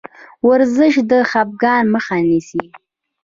ورزش د خفګان مخه نیسي.